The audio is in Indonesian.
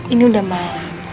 ini udah malam